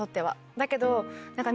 だけど。